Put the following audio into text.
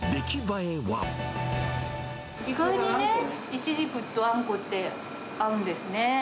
意外にね、イチジクとあんこって合うんですね。